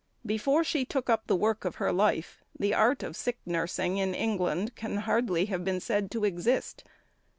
Before she took up the work of her life, the art of sick nursing in England can hardly have been said to exist.